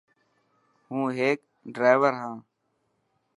هون هيڪ ڊرائور هان.